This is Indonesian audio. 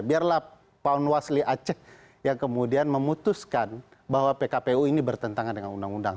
biarlah pak unwasli aceh yang kemudian memutuskan bahwa pkpu ini bertentangan dengan undang undang